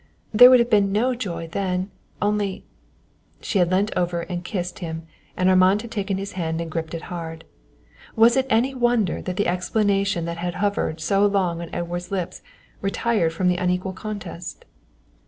there would have been no joy, then, only " She had leant over and kissed him and Armand had taken his hand and gripped it hard. Was it any wonder that the explanation that had hovered so long on Edward's lips retired from the unequal contest?